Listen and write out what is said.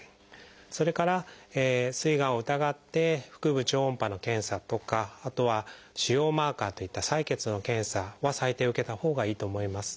それからすいがんを疑って腹部超音波の検査とかあとは腫瘍マーカーといった採血の検査は最低受けたほうがいいと思います。